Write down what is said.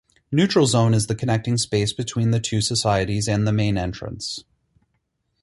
Neutral Zone is the connecting space between the two societies and the main entrance.